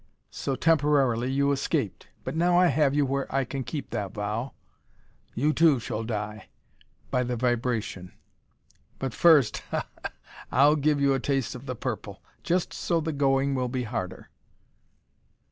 So temporarily you escaped. But now I have you where I can keep that vow. You, too, shall die. By the vibration. But first ha! ha! I'll give you a taste of the purple. Just so the going will be harder."